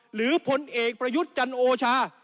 ผลเอกประยุทธ์จันโอชา